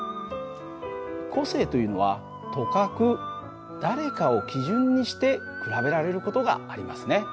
個性というのはとかく誰かを基準にして比べられる事がありますね。